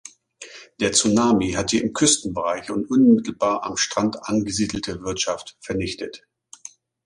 Der Tsunami hat die im Küstenbereich und unmittelbar am Strand angesiedelte Wirtschaft vernichtet.